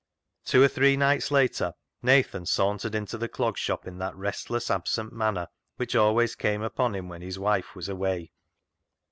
Two or three nights later, Nathan sauntered into the Clog Shop in that restless, absent manner which always came upon him when his wife was away.